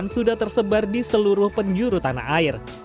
sudah tersebar di seluruh penjuru tanah air